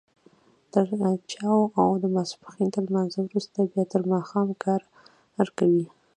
تر چايو او د ماسپښين تر لمانځه وروسته بيا تر ماښامه کار کوي.